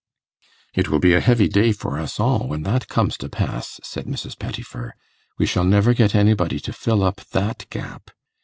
'It will be a heavy day for us all when that comes to pass,' said Mrs. Pettifer. 'We shall never get anybody to fill up that gap.